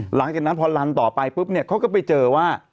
หลังจากนั้นพอลันต่อไปปุ๊บเนี่ยเขาก็ไปเจอว่า